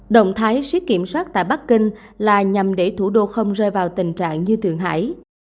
động thái siết kiểm soát tại bắc kinh là nhằm để thủ đô không rơi vào tình trạng như thượng hải